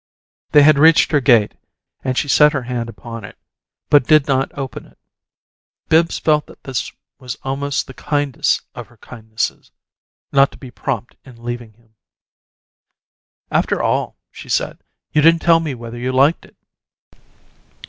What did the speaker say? They had reached her gate, and she set her hand upon it, but did not open it. Bibbs felt that this was almost the kindest of her kindnesses not to be prompt in leaving him. "After all," she said, "you didn't tell me whether you liked it."